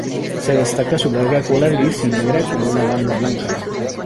Se destaca su larga cola gris y negra con una banda blanca.